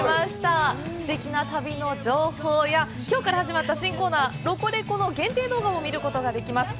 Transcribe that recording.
すてきな旅の情報やきょうから始まった新コーナー「ロコレコ」の限定動画も見ることができます！